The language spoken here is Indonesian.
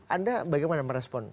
anda bagaimana menespon